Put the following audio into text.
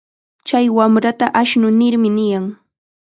Chay wamrataqa ashnu nirmi niyan.